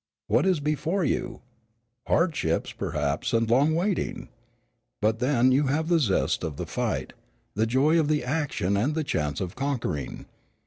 What is before you? Hardships, perhaps, and long waiting. But then, you have the zest of the fight, the joy of the action and the chance of conquering.